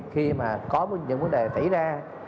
khi mà có những vấn đề xảy ra